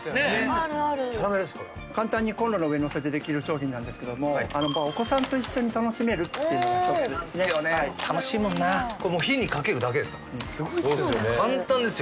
あるある簡単にコンロの上にのせてできる商品なんですけどもお子さんと一緒に楽しめるっていうのが一つですね・楽しいもんなこれもう火にかけるだけですから・すごいっすよね簡単ですよ